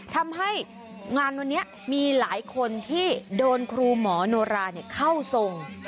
ทำให้งานวันนี้มีหลายคนที่โดนครูหมอโนราเข้าทรง